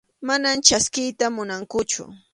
Mana chaskiyta munankuchu.